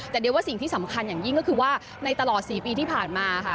แต่เดี๋ยวว่าสิ่งที่สำคัญอย่างยิ่งก็คือว่าในตลอด๔ปีที่ผ่านมาค่ะ